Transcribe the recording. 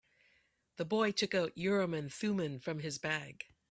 The boy took out Urim and Thummim from his bag.